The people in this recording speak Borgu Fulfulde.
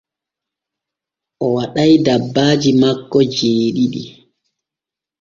O waɗay dabbaaji makko jeeɗiɗi.